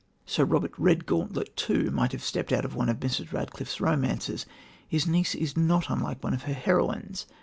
Sir Robert Redgauntlet, too, might have stepped out of one of Mrs. Radcliffe's romances. His niece is not unlike one of her heroines.